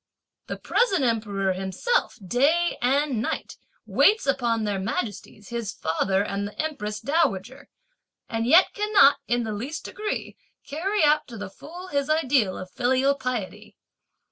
The present Emperor himself day and night waits upon their majesties his Father and the Empress Dowager, and yet cannot, in the least degree, carry out to the full his ideal of filial piety.